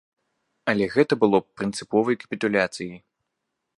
Але гэта было б прынцыповай капітуляцыяй!